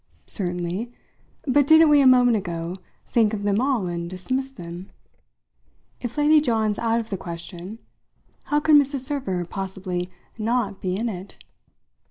"Certainly. But didn't we, a moment ago, think of them all and dismiss them? If Lady John's out of the question, how can Mrs. Server possibly not be in it?